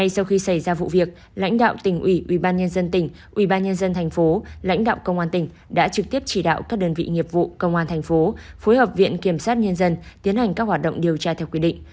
sau khi xảy ra vụ việc lãnh đạo tỉnh ủy ủy ban nhân dân tỉnh ủy ban nhân dân thành phố lãnh đạo công an tỉnh đã trực tiếp chỉ đạo các đơn vị nghiệp vụ công an thành phố phối hợp viện kiểm soát nhân dân tiến hành các hoạt động điều tra theo quy định